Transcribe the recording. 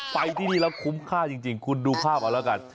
ไปที่นี่แล้วคุ้มค่าจริงคุณดูภาพเอาแล้วกัน